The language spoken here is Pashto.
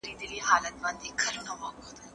ایا دا لاره دوام لري؟